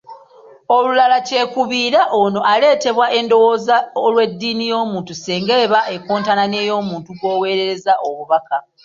Olulala kyekubiira ono aleetebwa endowooza olw’eddiini y’omuntu singa eba ekontana n’ey’omuntu gw’oweereza obubaka.